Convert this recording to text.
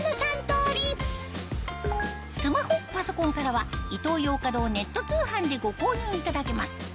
スマホパソコンからはイトーヨーカドーネット通販でご購入いただけます